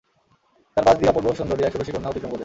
তার পাশ দিয়ে অপূর্ব সুন্দরী এক ষোড়শী কন্যা অতিক্রম করে।